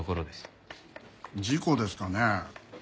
事故ですかねえ？